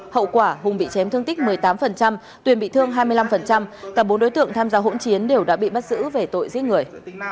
hậu quả hùng bị chém thương tích một mươi tám tuyền bị thương hai mươi năm cả bốn đối tượng tham gia hỗn chiến đều đã bị bắt giữ về tội giết người